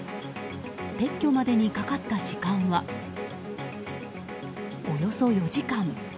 撤去までにかかった時間はおよそ４時間。